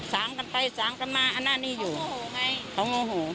สางกันไปสางกันมาอันนั้นนี่อยู่โมโหไงเขาโมโห